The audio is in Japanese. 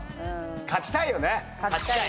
勝ちたいよね。